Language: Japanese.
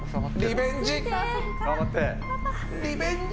リベンジ。